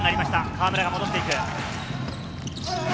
河村が戻っていく。